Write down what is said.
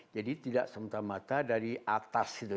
jadi tidak semata mata dari atas